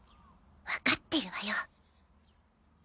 わかってるわよ。